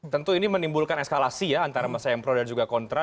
tentu ini menimbulkan eskalasi ya antara masyarakat pro dan kontra